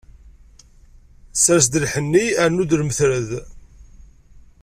Sers-d lḥenni, rnu-d lmetred.